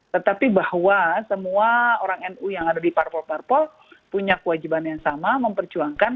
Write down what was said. tetapi bahwa semua orang nu yang ada di parpol parpol punya kewajiban yang sama memperjuangkan